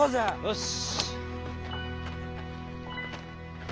よし。